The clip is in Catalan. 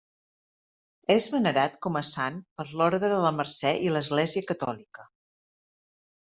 És venerat com a sant per l'Orde de la Mercè i l'Església catòlica.